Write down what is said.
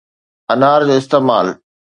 انار جو استعمال